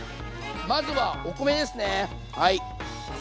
まずはお米ですねはい。